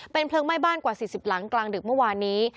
เพลิงไหม้บ้านกว่า๔๐หลังกลางดึกเมื่อวานนี้